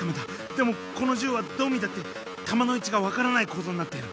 でもこの銃はどう見たって弾の位置が分からない構造になっている